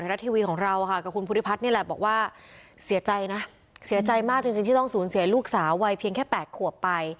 นิรัติทวีของเราค่ะกับคุณภูธิพัทนี่แหละบอกว่าเสียใจนะ